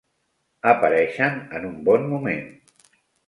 Apareixen en un bon moment.